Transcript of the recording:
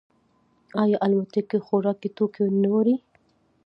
آیا الوتکې خوراکي توکي نه وړي؟